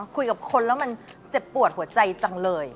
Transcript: คุยกับคนแล้วมันเจ็บปวดหัวใจจังเลย